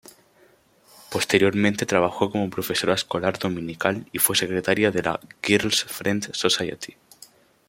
Posteriormente trabajó como profesora escolar dominical, y fue secretaria de la "Girls' Friendly Society".